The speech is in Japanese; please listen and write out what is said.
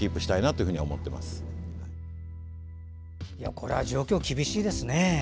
これは状況、厳しいですね。